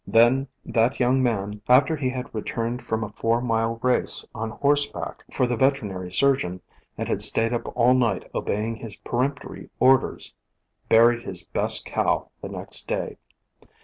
Then that young man, after he had returned from a four mile race on horseback for the veteri nary surgeon, and had stayed up all night obeying his peremptory orders, buried his best cow the next 160 POISONOUS PLANTS day.